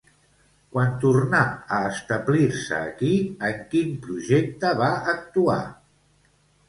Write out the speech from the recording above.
Quan tornà a establir-se aquí, en quin projecte va actuar?